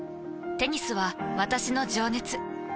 テニスは私の情熱。